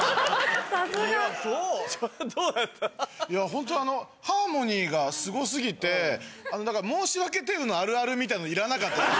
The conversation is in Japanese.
ホントハーモニーがすご過ぎて申し訳程度のあるあるみたいなのいらなかったです。